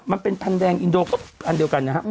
มันเป็นพันแดงอินโดก็อันเดียวกันนะครับ